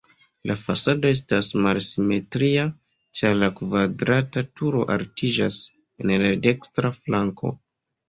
La fasado estas malsimetria, ĉar la kvadrata turo altiĝas en la dekstra flanko.